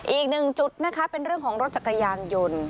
อีกหนึ่งจุดนะคะเป็นเรื่องของรถจักรยานยนต์